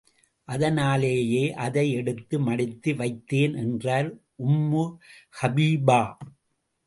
அதனாலேயே அதை எடுத்து மடித்து வைத்தேன் என்றார் உம்மு ஹபிபா.